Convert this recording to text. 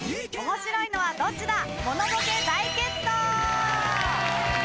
面白いのはどっちだ？